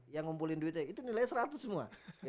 yang ngumpulin duitnya itu nilainya seratus semua